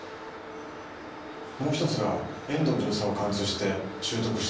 もう１つが遠藤巡査を貫通して拾得した銃弾です。